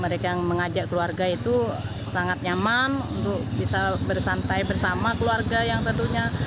mereka yang mengajak keluarga itu sangat nyaman untuk bisa bersantai bersama keluarga yang tentunya